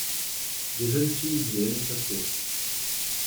De jeunes filles viennent et s'assoient.